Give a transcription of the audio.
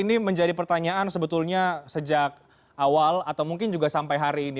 ini menjadi pertanyaan sebetulnya sejak awal atau mungkin juga sampai hari ini